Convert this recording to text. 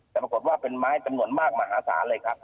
แต่ปรากฏว่าเป็นไม้จำนวนมากมหาศาลเลยครับ